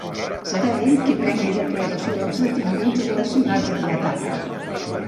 Serà ell qui prengui declaració dels detinguts relacionats amb l'atac.